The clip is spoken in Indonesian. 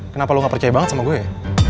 kenapa lo gak percaya banget sama gue ya